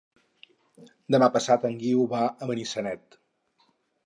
Demà passat en Guiu va a Benissanet.